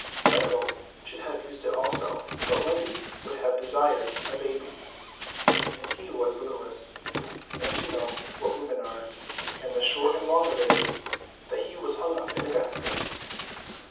Michael should have used it also, but Wendy would have a baby, and he was the littlest, and you know what women are, and the short and long of it is that he was hung up in a basket.